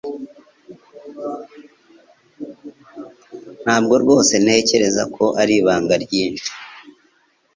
Ntabwo rwose ntekereza ko ari ibanga ryinshi.